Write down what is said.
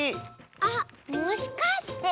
あっもしかして？